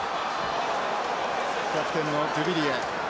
キャプテンのドゥビリエ。